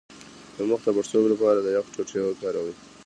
د مخ د پړسوب لپاره د یخ ټوټې وکاروئ